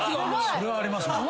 それはありますね。